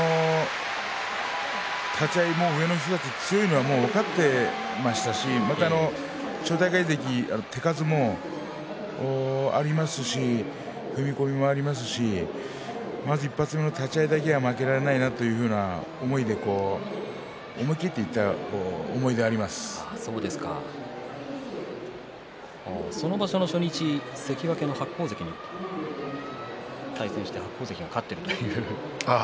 立ち合い上の人たち強いのは分かっていましたしまた千代大海関、手数もありますし踏み込みもありますしまず１発目の立ち合いだけは負けられないなというような思いで思い切っていったその場所の初日関脇の白鵬関と対戦して白鵬関が勝っています。